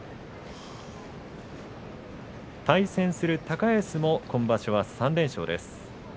対戦する高安も今場所は３連勝です。